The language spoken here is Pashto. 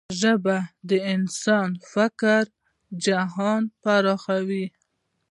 ژبه د انسان فکري جهان پراخوي.